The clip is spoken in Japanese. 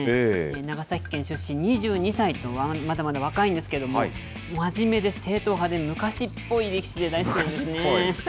長崎県出身、２２歳とまだまだ若いんですけれども、真面目で正統派で、昔っぽい力士で大好きなんですね。